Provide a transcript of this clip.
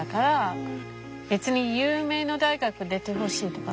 別に有名な大学出てほしいとか